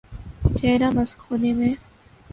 چہر ہ مسخ ہونے میں۔